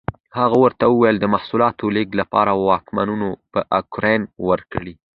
هغه ورته وویل د محصولاتو لېږد لپاره واګونونه په کرایه ورکړي.